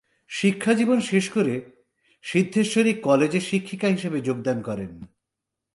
শিক্ষাজীবন শেষ করে সিদ্ধেশ্বরী কলেজে শিক্ষিকা হিসেবে যোগদান করেন।